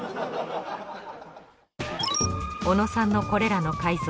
小野さんのこれらの改造